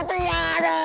ada tante yang ada